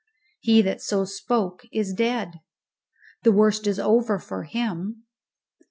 _" He that so spoke is dead. The worst is over for him.